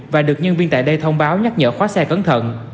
và được nhân viên tại đây thông báo nhắc nhở khóa xe cẩn thận